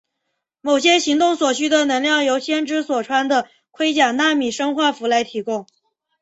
某些行动所需的能量由先知所穿的盔甲纳米生化服来提供。